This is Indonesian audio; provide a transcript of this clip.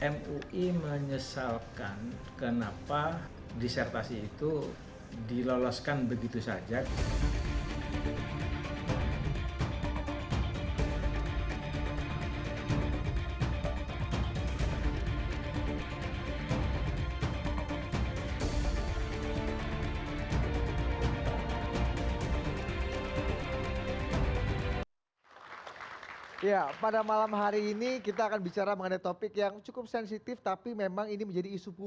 mui menyesalkan kenapa disertasi itu diloloskan begitu saja